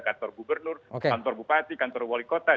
kantor gubernur kantor bupati kantor wali kota